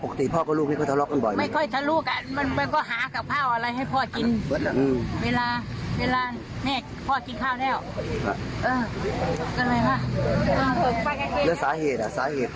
เขาติดยาติดอะไรมั้งตอนนั้นหรอตอนนี้ไม่ติดสูบแต่ชงใสยาเส้น